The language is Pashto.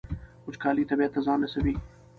وچکالي طبیعت ته زیان رسوي.